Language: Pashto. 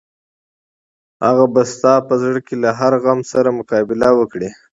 هغه به ستا په زړه کې له هر غم سره مقابله وکړي.